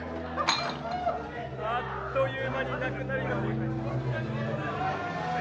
あっという間になくなりました。